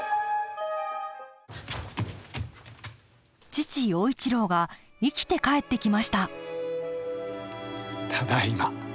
父陽一郎が生きて帰ってきましたただいま。